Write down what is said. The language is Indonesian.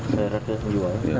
ada ratusan jiwa